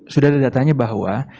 sudah ada datanya bahwa